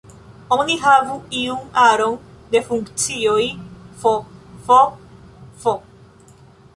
Oni havu iun aron de funkcioj "f", "f"..., "f".